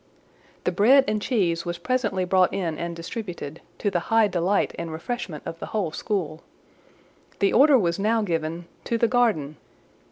The bread and cheese was presently brought in and distributed, to the high delight and refreshment of the whole school. The order was now given "To the garden!"